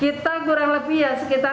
kita kurang lebih sekitar dua puluh